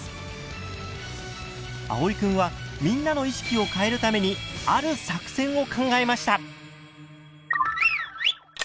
あおいくんはみんなの意識を変えるためにある作戦を考えました！